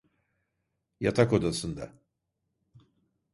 Yatak odasında.